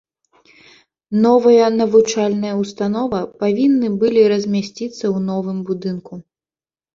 Новая навучальная ўстанова павінны былі размясціцца ў новым будынку.